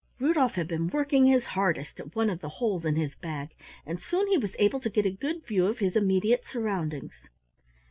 Rudolf had been working his hardest at one of the holes in his bag and soon he was able to get a good view of his immediate surroundings.